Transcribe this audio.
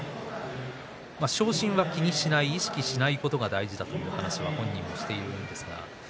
昇進は気にしない意識しないことが大事だという話をしていました。